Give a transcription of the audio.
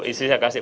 istri saya kasih